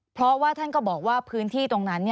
เพราะว่าท่านก็บอกว่าพื้นที่ตรงนั้น